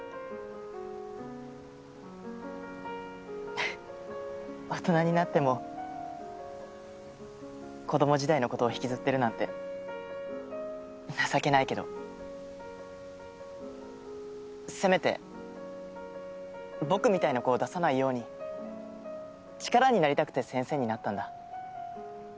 フフッ大人になっても子供時代の事を引きずってるなんて情けないけどせめて僕みたいな子を出さないように力になりたくて先生になったんだ。